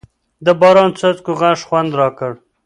د باران څاڅکو غږ خوند راکړ.